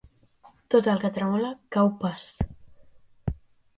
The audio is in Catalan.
Tot el que tremola cau pas.